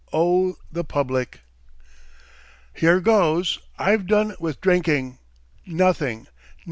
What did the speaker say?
OH! THE PUBLIC "HERE goes, I've done with drinking! Nothing.